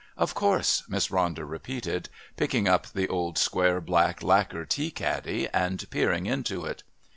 "Of course," Miss Ronder repeated, picking up the old square black lacquer tea caddy and peering into it.